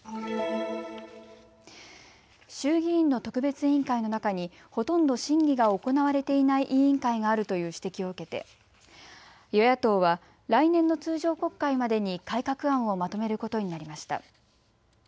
衆議院の特別委員会の中にほとんど審議が行われていない委員会があるという指摘を受けて与野党は来年の通常国会までに改革案をまとめることになりました。